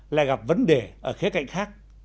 lại gặp vấn đề ở khía cạnh khác